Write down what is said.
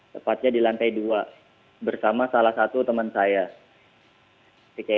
tepatnya di lantai dua bersama salah satu teman saya